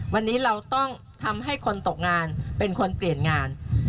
วันนี้เราต้องทำให้คนตกงานเป็นคนเปลี่ยนงาน